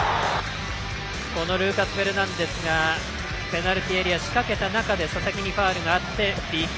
このルーカス・フェルナンデスがペナルティーエリア仕掛けた中で佐々木にファウルがあってＰＫ。